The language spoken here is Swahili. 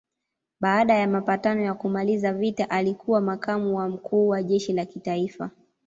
Baada ya mapatano ya kumaliza vita alikuwa makamu wa mkuu wa jeshi la kitaifa.